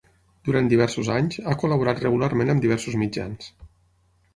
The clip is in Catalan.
Durant diversos anys, ha col·laborat regularment amb diversos mitjans.